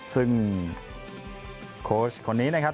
ซึ่งคนนี้นะครับ